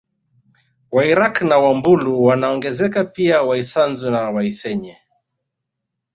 Wairaqw na Wambulu wanaongezeka pia Waisanzu na Waisenye